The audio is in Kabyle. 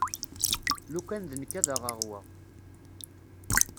Lukan d nekk ad aɣeɣ wa.